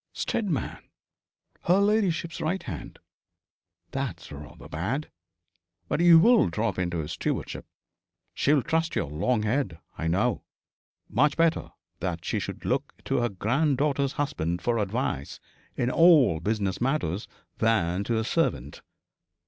'Steadman! Her ladyship's right hand. That's rather bad. But you will drop into his stewardship. She'll trust your long head, I know. Much better that she should look to her granddaughter's husband for advice in all business matters than to a servant.